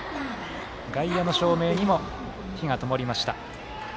外野の照明にも灯がともりました。